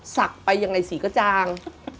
สักไปยังไงสีก็จาง